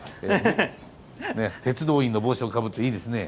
鉄道員の帽子をかぶっていいですね。